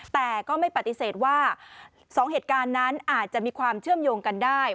แต่ก็ไม่ปฏิเสธว่า๒เหตุการณ์นั้นอาจจะมีความเชื่อมโยงกันได้